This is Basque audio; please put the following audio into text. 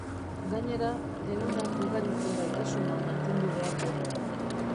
Gainera, ehunak ugaritze-gaitasuna mantendu behar du.